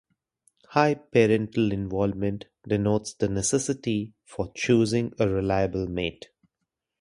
High parental involvement denotes the necessity for choosing a reliable mate.